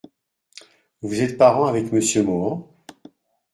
Vous êtes parent avec monsieur Mohan ?